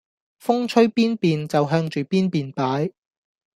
風吹邊便就向住邊便擺